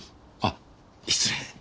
あっ失礼。